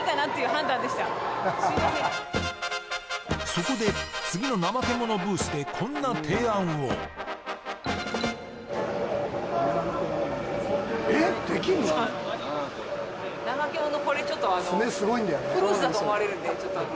そこで、次のナマケモノブースでこんなていあんを。